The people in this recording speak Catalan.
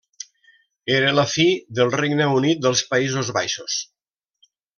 Era la fi del Regne Unit dels Països Baixos.